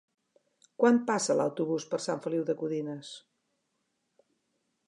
Quan passa l'autobús per Sant Feliu de Codines?